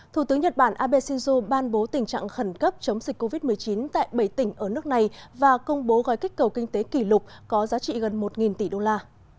thủ tướng nhật bản abe shinzo ban bố tình trạng khẩn cấp chống dịch covid một mươi chín tại bảy tỉnh ở nước này và công bố gói kích cầu kinh tế kỷ lục có giá trị gần một tỷ đô la